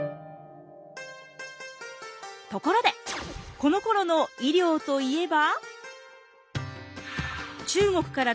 ところでこのころの医療といえば。